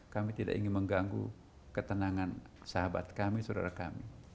kami tidak ingin mengganggu ketenangan sahabat kami saudara kami